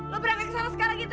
lo berangkat kesana sekarang gitu